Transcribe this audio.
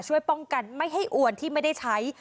ช่วยป้องกันไม่ให้อวนที่ไม่ได้ใช้